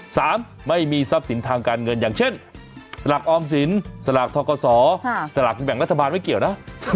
สามไม่มีทรัพย์สินทางการเงินอย่างเช่นสลากออมสินสลากทกศสลากกินแบ่งรัฐบาลไม่เกี่ยวนะ